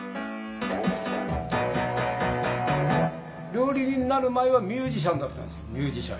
料理人になる前はミュージシャンだったんですよミュージシャン。